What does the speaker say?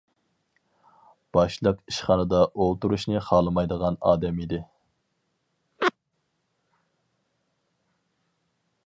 باشلىق ئىشخانىدا ئولتۇرۇشنى خالىمايدىغان ئادەم ئىدى.